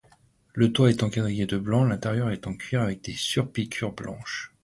Le toit étant quadrillé de blanc, l'intérieur est en cuir avec surpiqûres blanches.